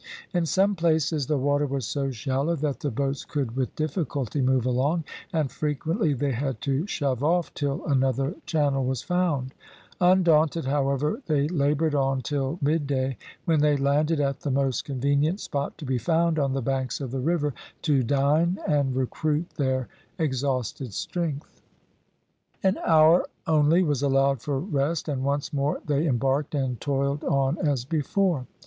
In some places, the water was so shallow that the boats could with difficulty move along, and frequently they had to shove off till another channel was found; undaunted, however, they laboured on till midday, when they landed at the most convenient spot to be found on the banks of the river to dine and recruit their exhausted strength. An hour only was allowed for rest, and once more they embarked and toiled on as before.